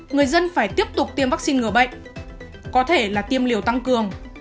người dân phải tiếp tục tiêm vắc xin ngừa bệnh có thể là tiêm liều tăng cường